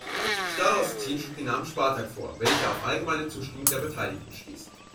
Starostin schlug den Namen "Spartak" vor, welcher auf allgemeine Zustimmung der Beteiligten stieß.